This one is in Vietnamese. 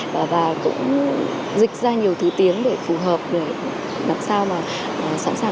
và cũng dịch ra nhiều thứ tiếng để phù hợp để làm sao mà sẵn sàng